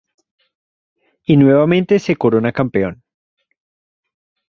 Y nuevamente se corona campeón.